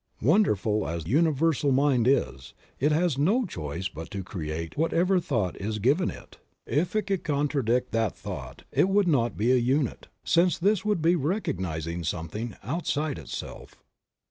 Wonderful as Universal Mind is, it has no choice but to create whatever thought is given it ; if it could contradict Creative Mind. 9 that thought, it would not be a unit, since this would be recognizing something outside itself.